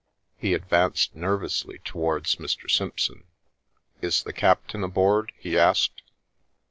He advanced nervously towards Mr. Simpson. " Is the captain aboard ?" he asked.